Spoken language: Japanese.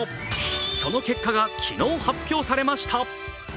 その結果が昨日発表されました。